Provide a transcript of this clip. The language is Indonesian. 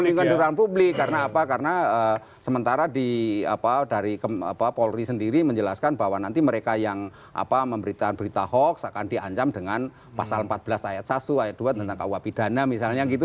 ini kan publik karena apa karena sementara dari polri sendiri menjelaskan bahwa nanti mereka yang memberitahuan berita hoax akan diancam dengan pasal empat belas ayat satu ayat dua tentang kua pidana misalnya gitu